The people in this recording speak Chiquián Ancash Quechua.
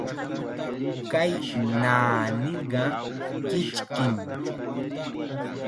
Kay naaniqa kichkim.